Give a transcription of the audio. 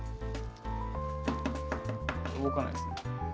動かないですね？